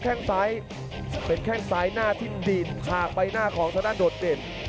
แค่งซ้ายเป็นแค่งซ้ายหน้าทิ้งดินผากไปหน้าของสถานโดดเดชน์